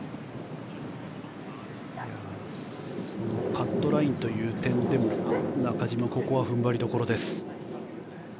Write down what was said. カットラインという点でも中島、ここは踏ん張りどころ。